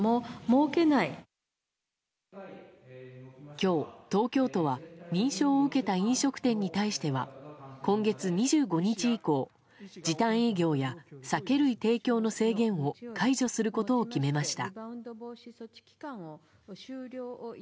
今日、東京都は認証を受けた飲食店に対しては今月２５日以降時短営業や酒類提供の制限を解除することを決めました。